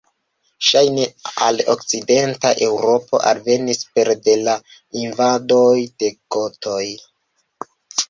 Ŝajne al okcidenta Eŭropo alvenis pere de la invadoj de gotoj.